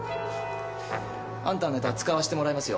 あんたのネタ使わせてもらいますよ。